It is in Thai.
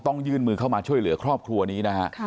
ยื่นมือเข้ามาช่วยเหลือครอบครัวนี้นะฮะ